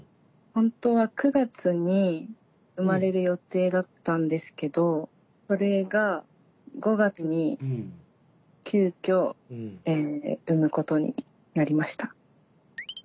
本当は９月に生まれる予定だったんですけどそれが５月に急きょ産むことになりました。